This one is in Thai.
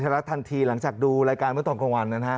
ข่าวเย็นชะลักทันทีหลังจากดูรายการวิวตรงกลางวันนะครับ